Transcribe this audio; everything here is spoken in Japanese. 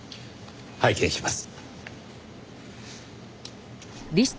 拝見します。